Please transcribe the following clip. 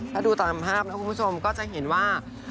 ถ้าดูตามภาพนะคุณผู้ชมก็จะเห็นว่า